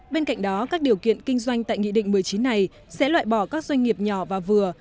bên cạnh đó các điều kiện kinh doanh tại nghị định một mươi chín này sẽ loại bỏ các doanh nghiệp nhỏ và vừa